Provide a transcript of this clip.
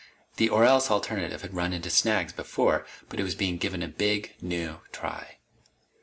The or else alternative had run into snags, before, but it was being given a big new try.